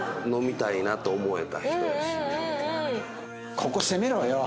ここ攻めろよ！